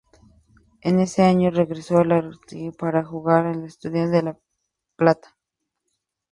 En ese año regresó a la Argentina para jugar en Estudiantes de La Plata.